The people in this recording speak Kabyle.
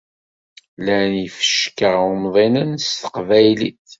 Llan yifecka umḍinen s teqbaylit.